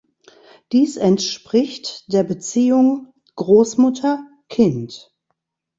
Dies entspricht der Beziehung Großmutter-Kind.